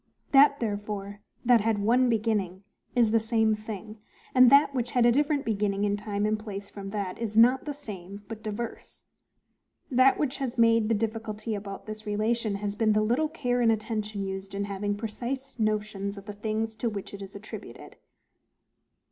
That, therefore, that had one beginning, is the same thing; and that which had a different beginning in time and place from that, is not the same, but diverse. That which has made the difficulty about this relation has been the little care and attention used in having precise notions of the things to which it is attributed.